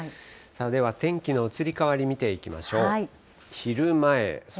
では天気の移り変わり見ていきましょう。